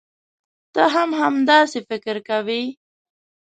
ته هم همداسې فکر کوې.